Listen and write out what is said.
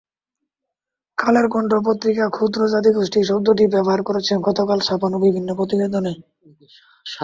কালের কণ্ঠ পত্রিকা ক্ষুদ্র জাতিগোষ্ঠী শব্দটি ব্যবহার করেছে গতকাল ছাপানো বিভিন্ন প্রতিবেদনে।